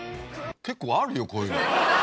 結構あるよこういうの。